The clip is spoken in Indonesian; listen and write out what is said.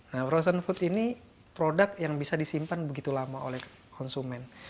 nah frozen food ini produk yang bisa disimpan begitu lama oleh konsumen